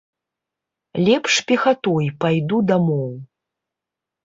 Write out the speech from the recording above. Лепш пехатой пайду дамоў.